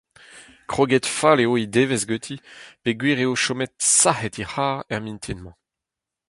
Kroget fall eo he devezh ganti peogwir eo chomet sac’het he c’harr er mintin-mañ.